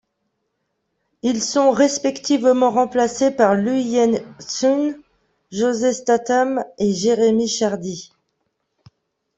Ils sont respectivement remplacés par Lu Yen-hsun, Jose Statham et Jérémy Chardy.